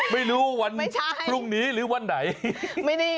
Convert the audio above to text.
ไม่รู้วันพรุ่งนี้หรือวันไหน